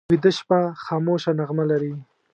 ویده شپه خاموشه نغمه لري